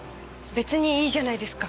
別にいいじゃないですか。